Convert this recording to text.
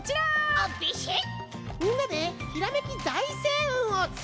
あっビシッ！